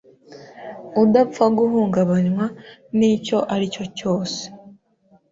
udapfa guhungabanywa n’icyo ari cyo cyose.